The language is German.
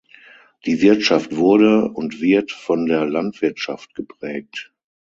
Die Wirtschaft wurde und wird von der Landwirtschaft geprägt.